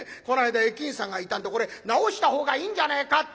この間駅員さんがいたんで「これ直した方がいいんじゃねえか？」